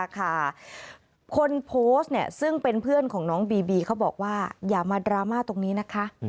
คนโพสต์ซึ่งเป็นเพื่อนของน้องบีบีเขาบอกว่าอย่ามาดราม่าตรงนี้นะคะ